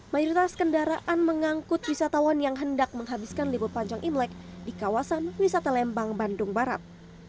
mayoritas kendaraan mengangkut wisatawan yang hendak menghabiskan libur panjang imlek di kawasan wisata lembang bandung barat